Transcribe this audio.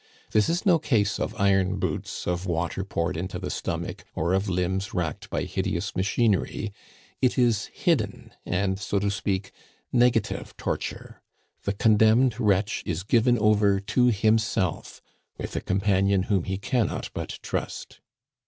This is no case of iron boots, of water poured into the stomach, or of limbs racked by hideous machinery; it is hidden and, so to speak, negative torture. The condemned wretch is given over to himself with a companion whom he cannot but trust.